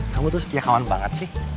kamu tuh setia kawan banget sih